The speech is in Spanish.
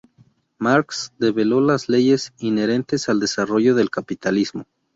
Marx develó las leyes inherentes al desarrollo del capitalismo.